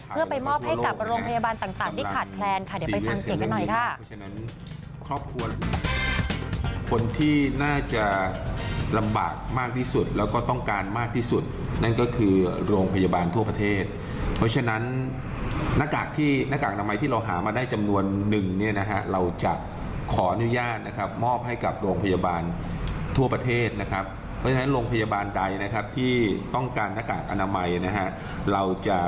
เพื่อไปมอบให้กับโรงพยาบาลต่างที่ขาดแคลนค่ะเดี๋ยวไปฟังเสียงกันหน่อยค่ะ